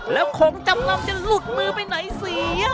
แล้วของจำนำจะหลุดมือไปไหนเสีย